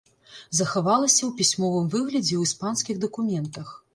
Захавалася ў пісьмовым выглядзе ў іспанскіх дакументах.